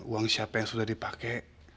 uang siapa yang sudah dipakai